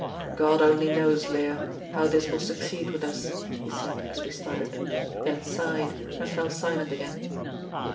"God only knows, Leah, how this will succeed with us," he said, as we started; then sighed, and fell silent again.